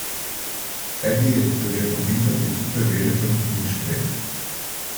Eddy è tuttavia convinto che tutto è bene quel che finisce bene.